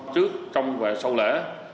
trước trong và sau lễ